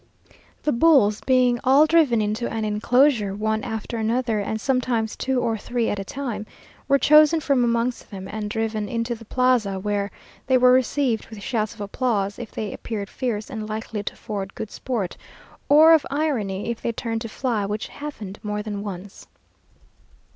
The bulls being all driven into an enclosure one after another, and sometimes two or three at a time, were chosen from amongst them, and driven into the plaza, where they were received with shouts of applause, if they appeared fierce, and likely to afford good sport; or of irony, if they turned to fly, which happened more than once.